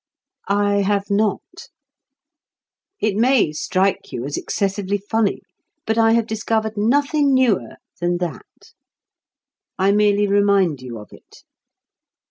I have not. It may strike you as excessively funny, but I have discovered nothing newer than that. I merely remind you of it.